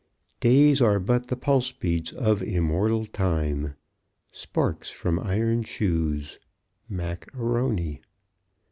Days are but the pulse beats of immortal time. _Sparks from Iron Shoes Mac A'Rony.